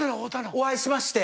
お会いしまして。